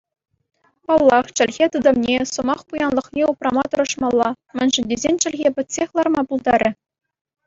Паллах чӗлхе тытӑмне, сӑмах пуянлӑхне упрама тӑрӑшмалла, мӗншӗн тесен чӗлхе пӗтсех ларма пултарӗ.